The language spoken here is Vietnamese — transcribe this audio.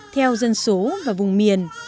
theo dân số và vùng miền